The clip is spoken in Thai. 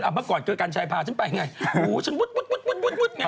เมื่อก่อนเจอกันชายพาฉันไปไงโอ้โฮฉันวุดอย่างนี้